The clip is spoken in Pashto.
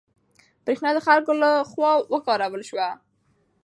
برېښنا د خلکو له خوا وکارول شوه.